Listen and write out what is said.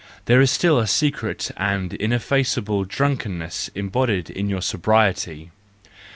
There is still a secret and ineffaceable drunken¬ ness embodied in your sobriety!